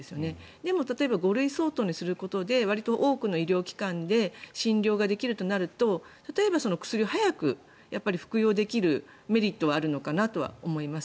でも、例えば５類相当にすることでわりと多くの医療機関で診療ができるとなると例えば、薬を早く服用できるメリットはあるのかなとは思います。